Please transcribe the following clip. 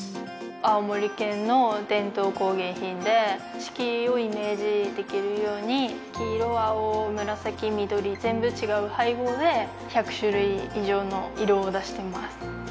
青森県の伝統工芸品で四季をイメージできるように黄色青紫緑全部違う配合で１００種類以上の色を出してます